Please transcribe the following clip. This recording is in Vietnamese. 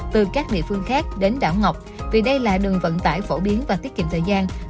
từ các địa phương khác đến đảo ngọc vì đây là đường vận tải phổ biến và tiết kiệm thời gian